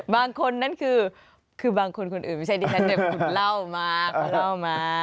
บางคนนั้นคือคือบางคนคนอื่นไม่ใช่เดี๋ยวเดี๋ยวผมเล่ามา